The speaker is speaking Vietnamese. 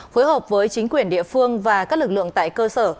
phối hợp với chính quyền địa phương và các lực lượng tại cơ sở